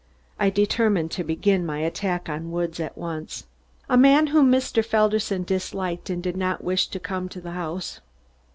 I determined to begin my attack on Woods at once. "A man whom Mr. Felderson disliked and did not wish to come to the house."